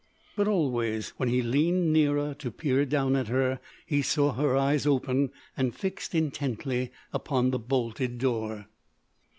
But always, when he leaned nearer to peer down at her, he saw her eyes open, and fixed intently upon the bolted door.